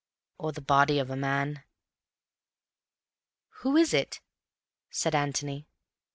Or the body of a man? "Who is it?" said Antony.